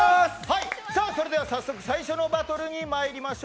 それでは早速最初のバトルにまいりましょう。